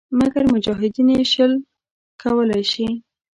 مګر مجاهدین یې شل کولای شي.